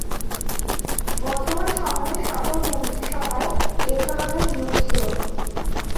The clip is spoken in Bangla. বর্তমান সময়ের সকল মন্ত্রিসভায় এধরনের নিয়োগ ছিল।